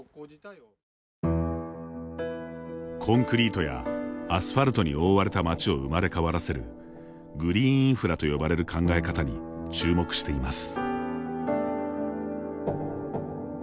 コンクリートやアスファルトに覆われた街を生まれ変わらせるグリーンインフラと呼ばれる考え方に注目しています。